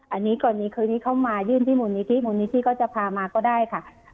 อันนี้ก่อนนี้คืนนี้เข้ามายื่นที่มูลนิธิมูลนิธิก็จะพามาก็ได้ค่ะ